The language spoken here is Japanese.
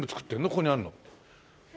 ここにあるのって。